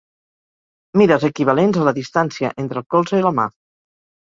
Mides equivalents a la distància entre el colze i la mà.